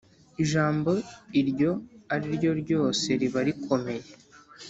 ijambo iryo ari ryo ryose riba rikomeye.